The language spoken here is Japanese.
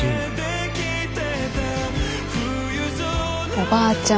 おばあちゃん